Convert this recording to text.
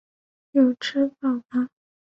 有吃饱吗？